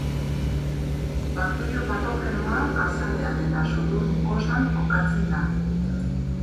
Bakterio patogenoa azalean eta sudur mukosan kokatzen da.